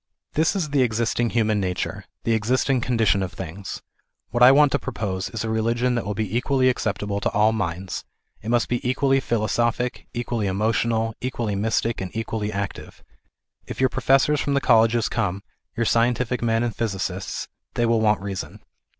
This is the existing human nature, the existing condi tion of things. What I want to propose, is a religion that will be equally acceptable to all minds ; it must be equally philosophic, equally emotional, equally mystic, and equally active. If your professors from the colleges come, your scientific men and physicists, they will want reason.